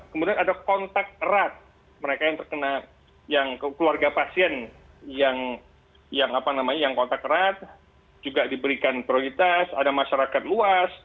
kemudian ada kontak erat mereka yang terkena keluarga pasien yang kontak erat juga diberikan prioritas ada masyarakat luas